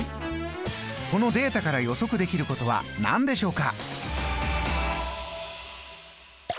このデータから予測できることは何でしょうか？